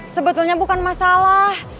sebetulnya bukan masalah